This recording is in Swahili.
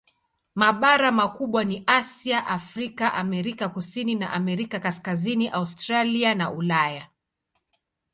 Mabara makubwa ni Asia, Afrika, Amerika Kusini na Amerika Kaskazini, Australia na Ulaya.